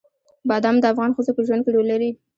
بادام د افغان ښځو په ژوند کې رول لري.